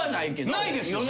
ないですよね！？